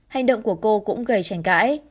hành động của cô cũng gây trành cãi